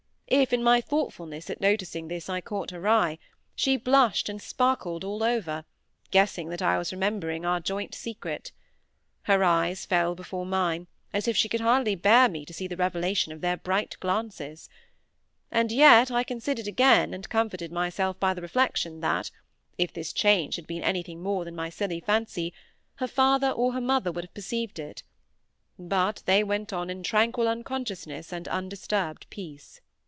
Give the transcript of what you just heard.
If in my thoughtfulness at noticing this I caught her eye, she blushed and sparkled all over, guessing that I was remembering our joint secret. Her eyes fell before mine, as if she could hardly bear me to see the revelation of their bright glances. And yet I considered again, and comforted myself by the reflection that, if this change had been anything more than my silly fancy, her father or her mother would have perceived it. But they went on in tranquil unconsciousness and undisturbed peace.